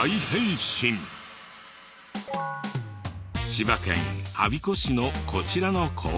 千葉県我孫子市のこちらの高校。